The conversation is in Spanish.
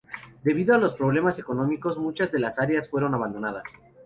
Debido a los problemas económicos, muchas de las áreas fueron abandonadas.